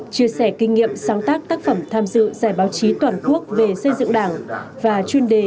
chia sẻ kinh nghiệm sáng tác tác phẩm tham dự giải báo chí toàn quốc về xây dựng đảng và chuyên đề